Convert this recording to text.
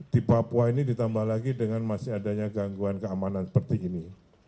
di papua ini ditambah lagi dengan masih adanya gangguan keamanan seperti ini